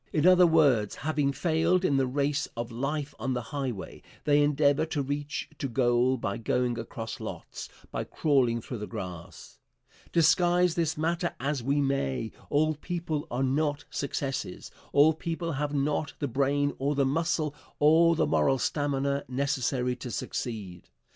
In other words, having failed in the race of life on the highway, they endeavor to reach to goal by going across lots, by crawling through the grass. Disguise this matter as we may, all people are not successes, all people have not the brain or the muscle or the moral stamina necessary to succeed.